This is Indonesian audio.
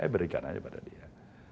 berikan aja pada dia